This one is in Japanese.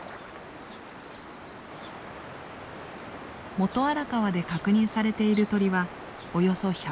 元荒川で確認されている鳥はおよそ１００種。